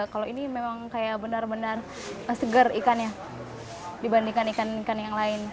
kalau ini memang kayak benar benar segar ikannya dibandingkan ikan ikan yang lain